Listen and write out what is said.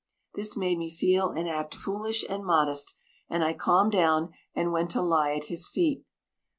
This made me feel and act foolish and modest, and I calmed down, and went to lie at his feet.